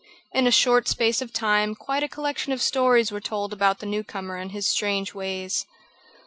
In a short space of time quite a collection of stories were told about the newcomer and his strange ways.